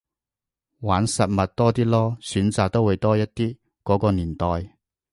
玩實物多啲囉，選擇都會多一啲，嗰個年代